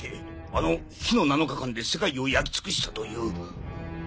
あの「火の７日間」で世界を焼き尽くしたという。